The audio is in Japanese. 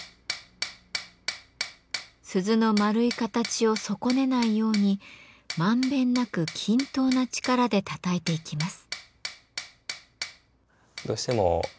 鈴の丸い形を損ねないように満遍なく均等な力でたたいていきます。